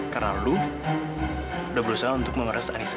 karena lu udah berusaha untuk memeres nisa